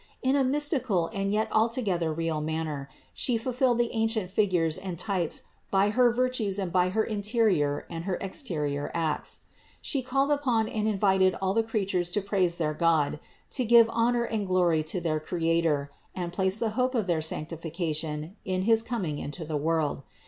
In a mystical and yet altogether real manner She fulfilled the ancient figures and types by her virtues and by her interior and her exterior acts. She called upon and invited all the creatures to praise their God, to give honor and glory to their Creator, and place the hope of their santification in his coming into the world.